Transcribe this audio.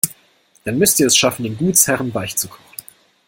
Dann müsst ihr es schaffen, den Gutsherren weichzukochen.